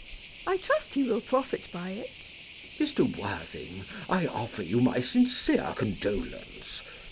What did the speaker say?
I trust he will profit by it. CHASUBLE. Mr. Worthing, I offer you my sincere condolence.